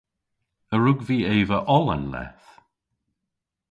A wrug vy eva oll an leth?